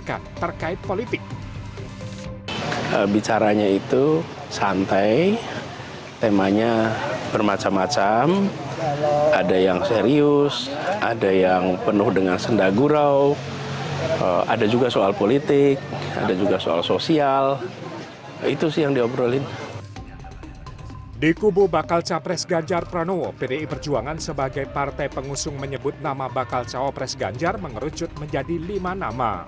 anis pun tidak menampik kabar ketika bertemu dengan mantan menteri kelautan dan perikatan